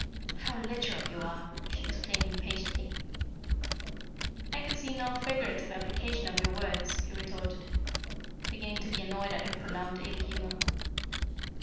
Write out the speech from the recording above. "How literal you are!" she exclaimed impatiently. "I could see no figurative application of your words," he retorted, beginning to be annoyed at her prolonged ill humour.